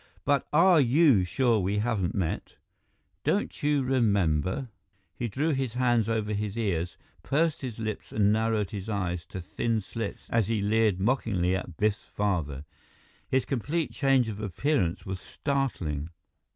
"But are you sure we haven't met? Don't you remember " He drew his hands over his ears, pursed his lips and narrowed his eyes to thin slits as he leered mockingly at Biff's father. His complete change of appearance was startling.